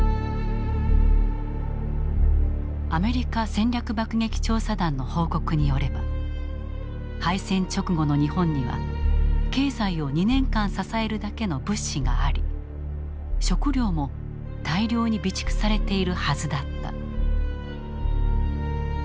アメリカ戦略爆撃調査団の報告によれば敗戦直後の日本には経済を２年間支えるだけの物資があり食糧も大量に備蓄されているはずだった。